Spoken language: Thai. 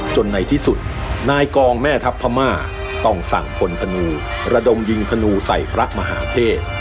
ในที่สุดนายกองแม่ทัพพม่าต้องสั่งพลธนูระดมยิงธนูใส่พระมหาเทศ